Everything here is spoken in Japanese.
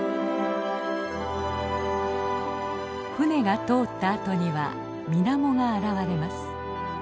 舟が通ったあとには水面が現れます。